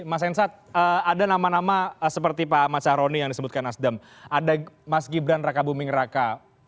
mas hensat ada nama nama seperti pak macaroni yang disebutkan nasdem ada mas gibran raka buming raka